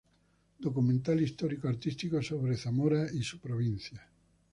Documental Histórico-Artístico sobre Zamora y su provincia.